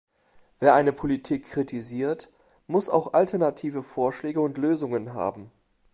Wer eine Politik kritisiert, muss auch alternative Vorschläge und Lösungen haben.